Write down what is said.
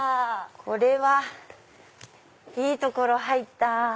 これはいい所入った。